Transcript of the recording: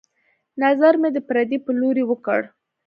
نظر مې د پردې په لورې وکړ